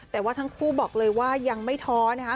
แต่ว่าทั้งคู่บอกเลยว่ายังไม่ท้อนะคะ